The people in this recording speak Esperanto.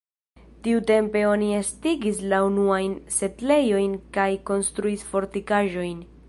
Tiutempe oni estigis la unuajn setlejojn kaj konstruis fortikaĵojn.